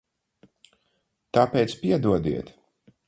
Tāpēc piedodiet.